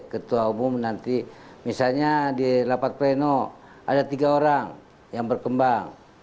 ketua umum nanti misalnya di rapat pleno ada tiga orang yang berkembang